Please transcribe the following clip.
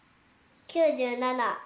９７！